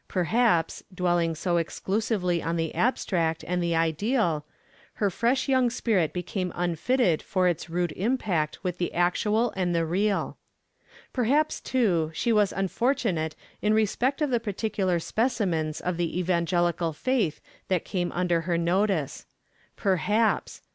Perhaps, dwelling so exclusively on the abstract and the ideal, her fresh young spirit became unfitted for its rude impact with the actual and the real. Perhaps, too, she was unfortunate in respect of the particular specimens of the evangelical faith that came under her notice. Perhaps!